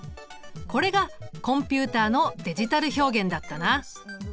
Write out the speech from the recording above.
これがコンピュータのデジタルの表現だったな。